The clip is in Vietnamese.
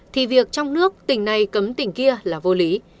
thì việc trong nước tỉnh này cấm tỉnh kia là vô lý